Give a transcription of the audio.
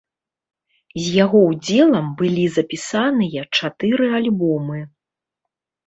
З яго ўдзелам былі запісаныя чатыры альбомы.